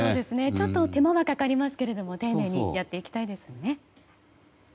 ちょっと手間はかかりますけど丁寧にやっていきたいですね。